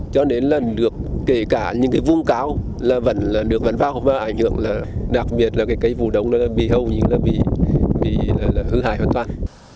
cho nên là được kể cả những cái vùng cao là vẫn được vấn vang và ảnh hưởng là đặc biệt là cái vụ đóng bị hâu bị hư hại hoàn toàn